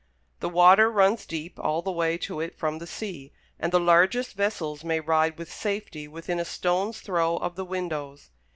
The water runs deep all the way to it from the sea, and the largest vessels may ride with safety within a stone's throw of the windows.